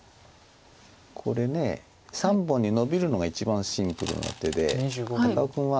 これ３本にノビるのが一番シンプルな手で高尾君は。